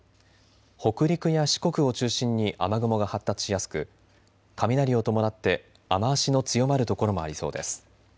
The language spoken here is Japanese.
北陸や四国を中心に雨雲が発達しやすく雷を伴って雨足の強まる所もありそうです。